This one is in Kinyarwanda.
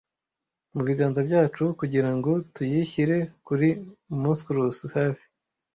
Mu biganza byacu, kugirango tuyishyire kuri monstrous, hafi